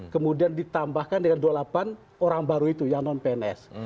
kemudian ditambahkan dengan dua puluh delapan orang baru itu yang non pns